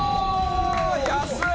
安い！